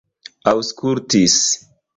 aŭskultis